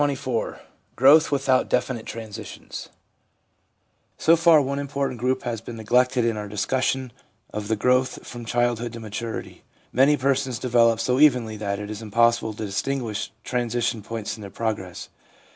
CHAPTER XXIV GROWTH WITHOUT DEFINITE TRANSITIONS So far one important group has been neglected in our discussion of the growth from childhood to maturity. Many persons develop so evenly that it is impossible to distinguish transition points in their progress.